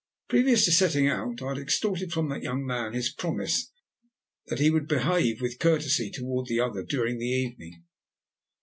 Previous to setting out, I had extorted from that young man his promise that he would behave with courtesy towards the other during the evening.